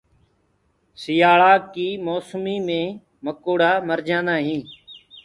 سِيآݪآ ڪآ موسمو مينٚ مڪوڙآ مر جآندآ هينٚ۔